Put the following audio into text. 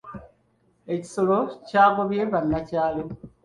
Ekisolo kyagobye abanakyalo.